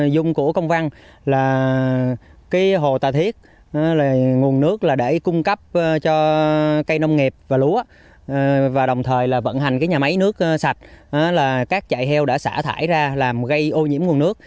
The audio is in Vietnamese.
dung của công văn là cái hồ tà thiết nguồn nước là để cung cấp cho cây nông nghiệp và lúa và đồng thời là vận hành cái nhà máy nước sạch là các chạy heo đã xả thải ra làm gây ô nhiễm nguồn nước